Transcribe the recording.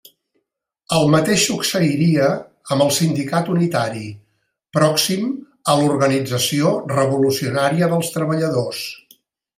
El mateix succeiria amb el Sindicat Unitari, pròxim a l'Organització Revolucionària dels Treballadors.